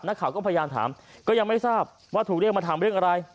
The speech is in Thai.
นักข่าวก็พยายามถามก็ยังไม่ทราบว่าถูกเรียกมาถามเรื่องอะไร